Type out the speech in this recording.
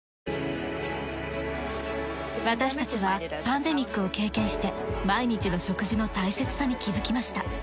私たちはパンデミックを経験して毎日の食事の大切さに気づきました。